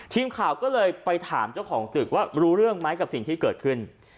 ทีมข่าวก็เลยไปถามเจ้าของตึกว่ารู้เรื่องไหมกับสิ่งที่เกิดขึ้น